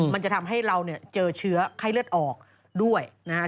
มันจะทำให้เราเจอเชื้อไข้เลือดออกด้วยนะฮะ